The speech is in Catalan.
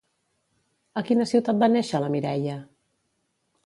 A quina ciutat va néixer la Mireia?